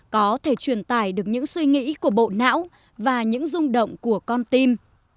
có thể truyền tải được những suy nghĩ của bộ não và những rung động của con tim